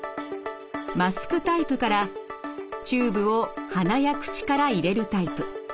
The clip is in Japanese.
マスクタイプからチューブを鼻や口から入れるタイプ。